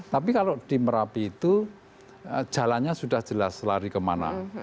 tapi kalau di merapi itu jalannya sudah jelas lari kemana